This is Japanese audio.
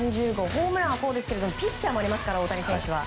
ホームランはこうですがピッチャーもありますから大谷選手は。